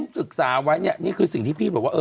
ศึกษาไว้เนี่ยนี่คือสิ่งที่พี่บอกว่า